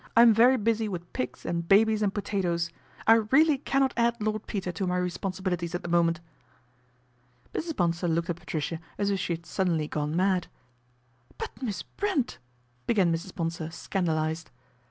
I am very busy with pigs, and babies, and potatoes. I really cannot add Lord Peter to my responsi bilities at the moment." Mrs. Bonsor looked at Patricia as if she had suddenly gone mad. " But Miss Brent " began Mrs. Bonsor, scandalised.